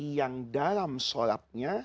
yang dalam solatnya